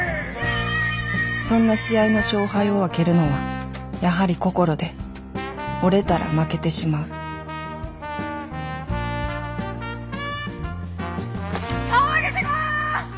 そんな試合の勝敗を分けるのはやはり「心」で折れたら負けてしまう顔上げてこ！